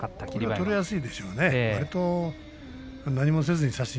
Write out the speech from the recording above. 取りやすいんでしょう。